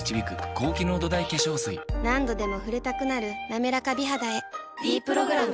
何度でも触れたくなる「なめらか美肌」へ「ｄプログラム」